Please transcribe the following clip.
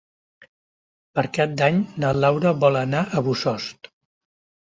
Per Cap d'Any na Laura vol anar a Bossòst.